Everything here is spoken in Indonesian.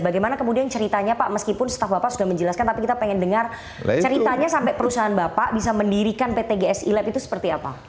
bagaimana kemudian ceritanya pak meskipun staf bapak sudah menjelaskan tapi kita pengen dengar ceritanya sampai perusahaan bapak bisa mendirikan pt gsi lab itu seperti apa